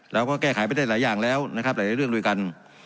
เราก็แก้ไขไปได้หลายอย่างแล้วนะครับหลายเรื่องด้วยกัน